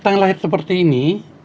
tangga lahir seperti ini